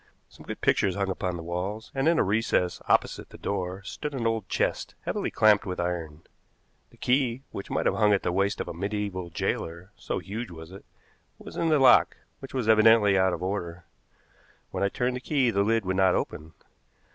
Some good pictures hung upon the walls, and in a recess opposite the door stood an old chest heavily clamped with iron. The key, which might have hung at the waist of a medieval jailer, so huge was it, was in the lock, which was evidently out of order. When I turned the key the lid would not open.